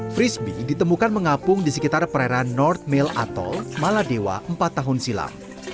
frisbee ditemukan mengapung di sekitar perairan north mill atol maladewa empat tahun silam